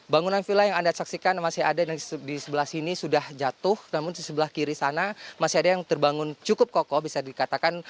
bangunan villa yang anda saksikan masih ada di sebelah sini sudah jatuh namun di sebelah kiri sana masih ada yang terbangun cukup kokoh bisa dikatakan